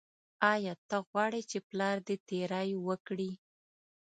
ایا ته غواړې چې پلار دې تیری وکړي.